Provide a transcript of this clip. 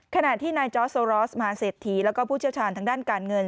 ขณะที่นายจอร์สโซรอสมาเศรษฐีแล้วก็ผู้เชี่ยวชาญทางด้านการเงิน